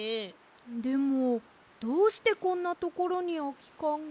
でもどうしてこんなところにあきかんが？